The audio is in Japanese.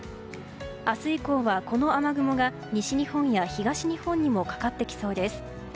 明日以降はこの雨雲が西日本や東日本にもかかってきそうです。